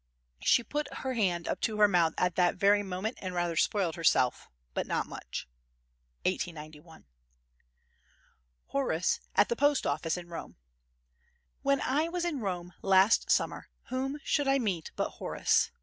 She put her hand up to her mouth at that very moment and rather spoiled herself, but not much. [1891.] Horace at the Post Office in Rome When I was in Rome last summer whom should I meet but Horace.